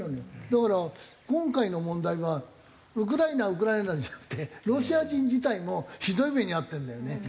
だから今回の問題はウクライナウクライナじゃなくてロシア人自体もひどい目に遭ってるんだよね。